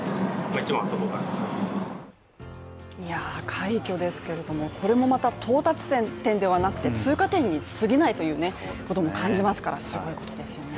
快挙ですけれども、これもまた到達点ではなくて通過点にすぎないということも感じますから、すごいことですよね。